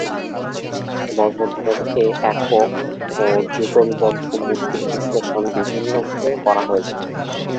বজ্রধরের এ একক ও যুগলবদ্ধ মূর্তির বিশ্লেষণ বিভিন্নভাবে করা হয়েছে।